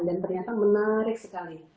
dan ternyata menarik sekali